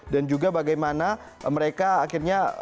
dan juga bagaimana mereka akhirnya